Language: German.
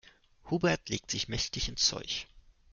Hubert legt sich mächtig ins Zeug.